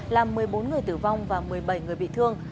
làm một mươi bốn người tử vong và một mươi bảy người bị thương